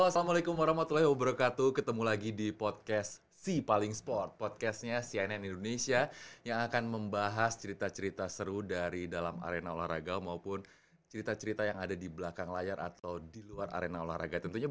sampai jumpa di video selanjutnya